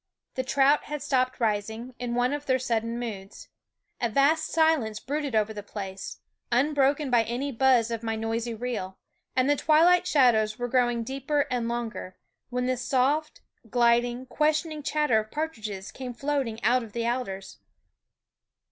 The trout had stopped rising, in one of their sudden moods. A vast silence brooded over the place, unbroken by any buzz of my noisy reel, and the twilight shadows were growing deeper and longer, when the soft, gliding, questioning chatter of partridges came float ing out of the alders.